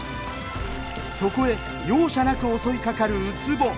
そこへ容赦なく襲いかかるウツボ。